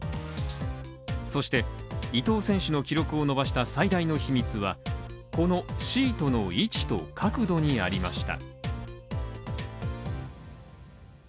そして伊藤選手の記録を伸ばした最大の秘密は、このシートの位置と角度にありました。